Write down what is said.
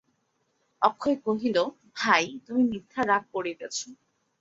অক্ষয় কহিল, ভাই, তুমি মিথ্যা রাগ করিতেছ।